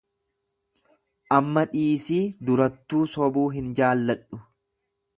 Amma dhiisii durattuu sobuu hin jaalladhu.